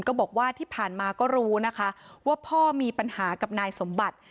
ก็บอกว่าที่ผ่านมาก็รู้นะคะว่าพ่อมีปัญหากับนายสมบัติ